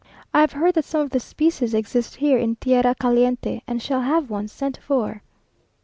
I have heard that some of that species exist here, in tierre caliente, and shall have one sent for."